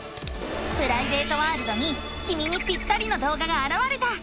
プライベートワールドにきみにぴったりの動画があらわれた！